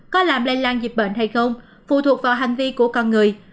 có làm lây lan dịch bệnh hay không phụ thuộc vào hành vi của con người